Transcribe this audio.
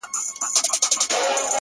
له توتکیو به وي تشې د سپرلي لمني-